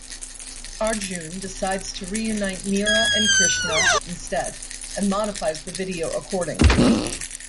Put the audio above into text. Arjun decides to reunite Meera and Krishna instead and modifies the video accordingly.